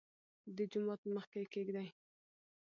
دجومات په مخکې يې کېږدۍ.